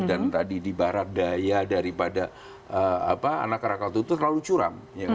dan tadi dibaharap daya daripada anak rakatau itu terlalu curam